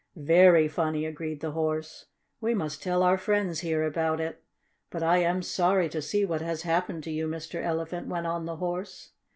"Very funny," agreed the Horse. "We must tell our friends here about it. But I am sorry to see what has happened to you, Mr. Elephant!" went on the Horse.